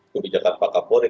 kebijakan pak kapolri